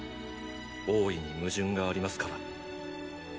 大いに矛盾がありますから。